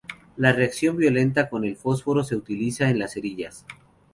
La reacción violenta con el fósforo se utiliza en las cerillas.